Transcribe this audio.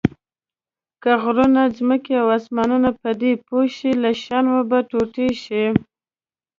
که غرونه، ځمکه او اسمانونه پدې پوه شي له شرمه به ټوټه شي.